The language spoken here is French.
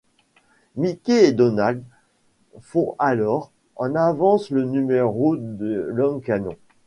Mickey et Donald font alors, en avance le numéro de l'homme-canon.